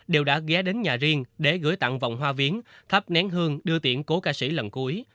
đều đã ghé đến nhà riêng để gửi tặng vòng hoa viến thắp nén hương đưa tiễn cố ca sĩ lần cuối